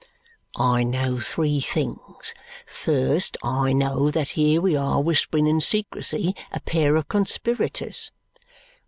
"I know three things. First, I know that here we are whispering in secrecy, a pair of conspirators."